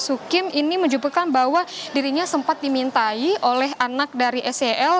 sukim ini menunjukkan bahwa dirinya sempat dimintai oleh anak dari sel